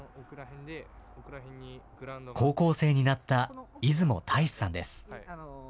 高校生になった出雲大志さんです。